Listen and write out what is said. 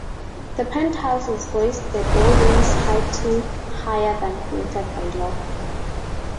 The penthouses raised the building's height to - higher than permitted by law.